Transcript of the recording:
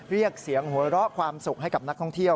เรียกเสียงหัวเราะความสุขให้กับนักท่องเที่ยว